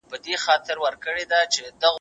کمپيوټر د کور کار کول اسانه کوي.